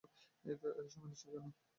এত সময় নিচ্ছেন কেন?